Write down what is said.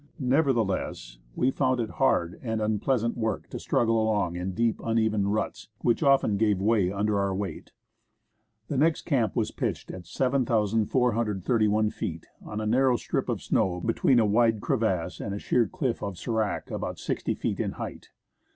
Nevertheless, wc found it hard and unpleasant work to struggle along in deep, uneven ruts, which often gave way under our weight. The next camp was pitched at 7,43 i feet, on a narrow strip of snow between a wide crevasse and a sheer cliff of sdrac about 60 feet in height.